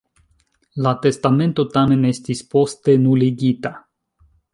La testamento, tamen, estis poste nuligita.